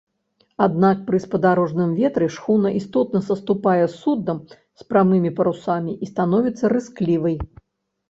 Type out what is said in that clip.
Аднак пры спадарожным ветры шхуна істотна саступае суднам з прамымі парусамі і становіцца рысклівай.